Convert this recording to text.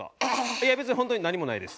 いや別に本当に何もないです。